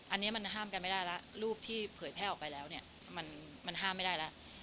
อันนี้มันห้ามกันไม่ได้แล้วรูปที่เผยแพร่ออกไปแล้วเนี่ยมันห้ามไม่ได้แล้ว